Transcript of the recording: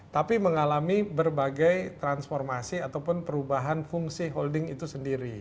tapi mengalami berbagai transformasi ataupun perubahan fungsi holding itu sendiri